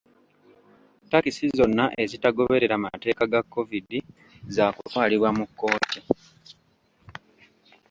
Takisi zonna ezitagoberera mateeka ga COVID zakutwalibwa mu kkooti.